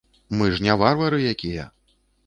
Мы ж не варвары якія!